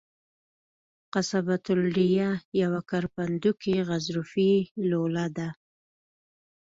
قصبة الریه یوه کرپندوکي غضروفي لوله ده.